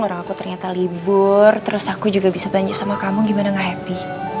orang aku ternyata libur terus aku juga bisa banyak sama kamu gimana gak happy